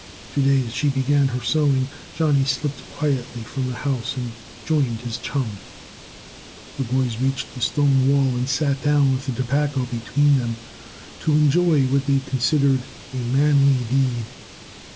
Today, as she began her sewing, Johnny slipped quietly from the house and joined his chum. The boys reached the stone wall and sat down, with the tobacco between them, to enjoy (?) what they considered a manly deed.